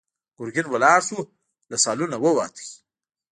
ګرګين ولاړ شو، له سالونه ووت.